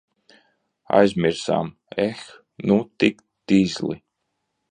Aizmirsām! Eh, nu tik tizli.